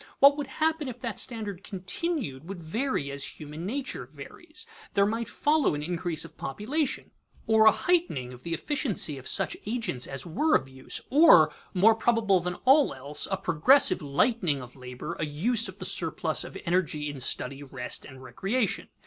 What would happen if that standard continued would vary as human nature varies. There might follow increase of population, or a heightening of the efficiency of such agents as were of use, or, more probable than all else, a progressive lightening of labor, a use of the surplus of energy in study, rest, and recreation.